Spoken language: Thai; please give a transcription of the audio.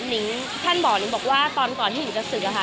จริงอ่ะท่านบอกนึงบอกว่าตอนก่อนหิ่งกระสุนนะคะ